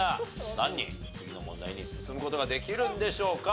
何人次の問題に進む事ができるんでしょうか？